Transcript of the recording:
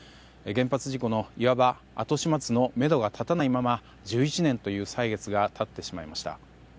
原発事故のいわば後始末のめどが立たないまま１１年という歳月が経ってしまいました。